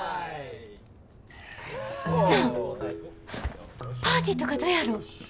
なあパーティーとかどやろ？